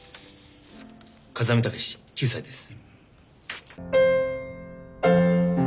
風見武志９歳です。